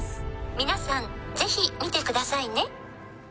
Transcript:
「皆さんぜひ見てくださいね」